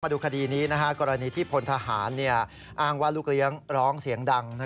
ดูคดีนี้กรณีที่พลทหารอ้างว่าลูกเลี้ยงร้องเสียงดัง